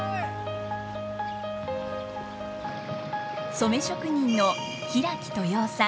染職人の平木豊男さん。